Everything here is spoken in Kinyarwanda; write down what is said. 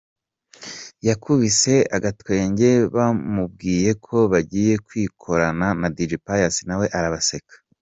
Yakubise agatwenge bamubwiye ko bagiye kwikorana na Dj Pius nawe arabaseka.